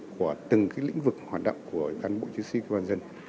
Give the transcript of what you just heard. của từng lĩnh vực hoạt động của cán bộ chiến sĩ cơ quan dân